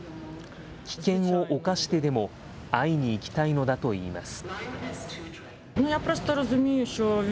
危険を冒してでも会いに行きたいのだといいます。